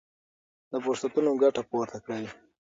له فرصتونو ګټه پورته کړئ.